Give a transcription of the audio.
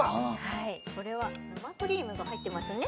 はいこれは生クリームが入ってますね